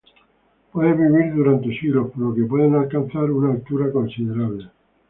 Puede vivir durante siglos, por lo que pueden alcanzar una altura considerable.